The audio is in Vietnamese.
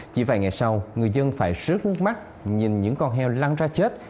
chỉ vài ngày sau người dân phải rước nước mắt nhìn những con heo lan ra chết